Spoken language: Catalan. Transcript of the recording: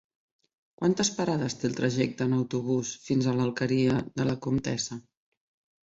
Quantes parades té el trajecte en autobús fins a l'Alqueria de la Comtessa?